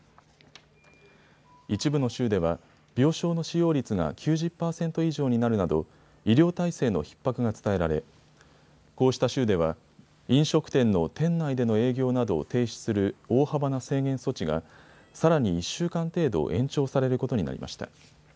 一部の州では病床の使用率が９０％以上になるなど医療体制のひっ迫が伝えられこうした州では飲食店の店内での営業などを停止する大幅な制限措置がさらに１週間程度、延長されることになりました。